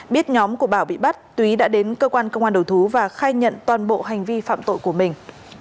biết nhóm của bảo bị bắt túy đã đến cơ quan công an đầu thú và khai nhận toàn bộ hành vi phạm tội của mình